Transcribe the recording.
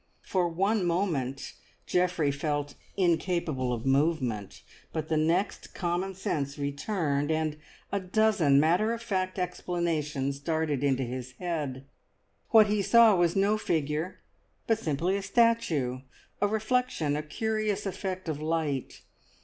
For one moment Geoffrey felt incapable of movement, but the next commonsense returned, and a dozen matter of fact explanations darted into his head. What he saw was no figure, but simply a statue, a reflection, a curious effect of light.